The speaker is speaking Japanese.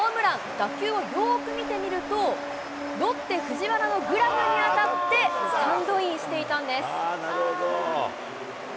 打球をよーく見てみると、ロッテ、藤原のグラブに当たってスタンドインしていたんです。